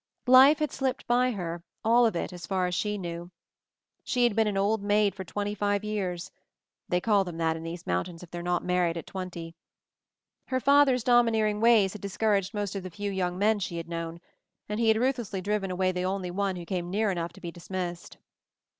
Life had slipped by her, all of it, as far as she knew. She had been an "old maid" for twenty five years — they call them that in these mountains if they are not married at twenty. Her father's domineering ways had discouraged most of the few young men she had known, and he had ruthlessly driven away the only one who came near enough to be dismissed.